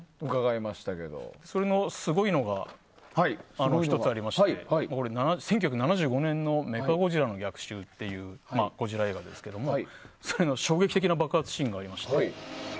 それのすごいのが１つありまして１９７５年の「メカゴジラの逆襲」というゴジラ映画ですけど衝撃的な爆発シーンがありまして。